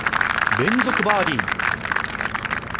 連続バーディー。